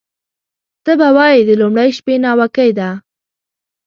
ته به وایې د لومړۍ شپې ناوکۍ ده